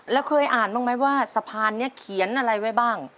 แล้วเคยอ่านบ้างไหมว่าสะพานนี้เขียนอะไรไว้บ้าง